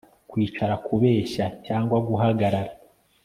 Kwicara kubeshya cyangwa guhagarara